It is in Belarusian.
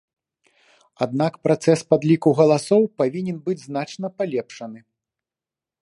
Аднак працэс падліку галасоў павінен быць значна палепшаны.